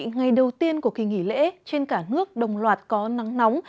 ngày đầu tiên của kỳ nghỉ lễ trên cả nước đồng loạt có nắng nóng